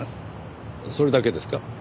それだけですか？